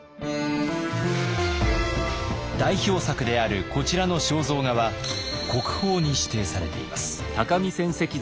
代表作であるこちらの肖像画は国宝に指定されています。